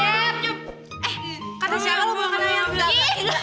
eh kak tisha lu mau makan ayam